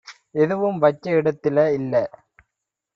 எதுவும் வச்ச இடத்தில இல்ல